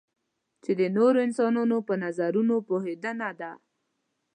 چې د نورو انسانانو پر نظرونو پوهېدنه ده.